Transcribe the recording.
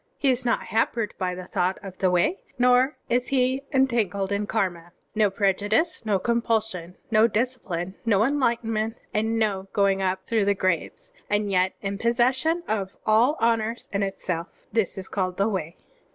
H6 is not hampered by the thought of the Way, nor is he entangled in karma. No prejudice, no compulsion, no discipline, no enlightenment, and no going up through the grades, and yet in possession of all honors in itself, — ^this is called the Way.